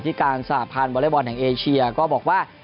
ที่การสหพันธ์วอเล็กบอลแห่งเอเชียก็บอกว่า